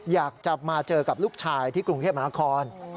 อยากจะมาเจอกับลูกชายที่กรุงเทพมหานคร